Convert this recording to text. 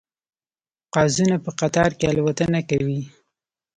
قازونه په قطار کې الوتنه کوي